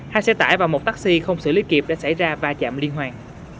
hai xe tải và một taxi không xử lý kịp để xảy ra va chạm liên hoàn